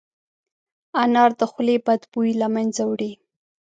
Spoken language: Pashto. انار د خولې بد بوی له منځه وړي.